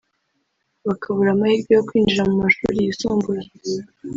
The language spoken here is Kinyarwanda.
bakabura amahirwe yo kwinjira mu mashuri yisumbuye